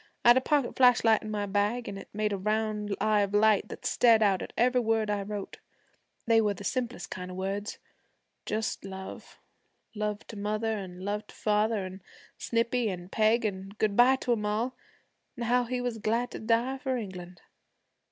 I had a pocket flashlight in my bag, an' it made a round eye of light that stared out at every word I wrote. They were the simplest kind of words. Just love, love to mother, and love to father, and Snippy and Peg, an' good bye to 'em all, an' how he was glad to die for England.